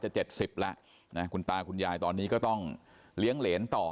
จะ๗๐แล้วคุณตาคุณยายตอนนี้ก็ต้องเลี้ยงเหลนต่อ